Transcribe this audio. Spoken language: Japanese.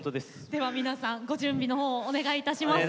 では皆さんご準備のほうをお願いいたします。